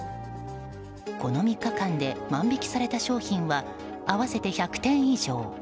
この３日間で万引きされた商品は合わせて１００点以上。